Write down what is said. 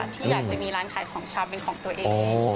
ที่อยากจะมีร้านขายของชำเป็นของตัวเอง